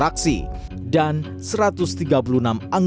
meski tidak mudah jokowi juga mencari jalan untuk mengembangkan kembang